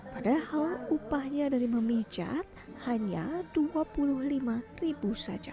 padahal upahnya dari memijat hanya rp dua puluh lima ribu saja